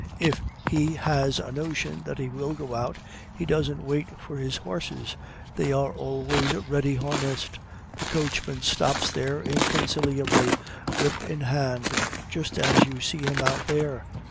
If he has a notion that he will go out, he doesn't wait for his horses; they are always ready harnessed; the coachman stops there inconciliably, whip in hand, just as you see him out there.